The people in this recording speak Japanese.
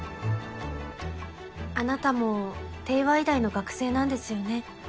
あなたも帝和医大の学生なんですよね？